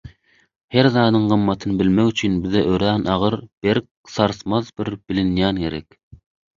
Her zadyň gymmatyny bilmek üçin bize örän agyr, berk, sarsmaz bir bilinýän gerek.